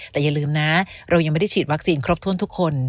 แต่อย่าลืมนะเรายังไม่ได้ฉีดวัคซีนครบถ้วนทุกคน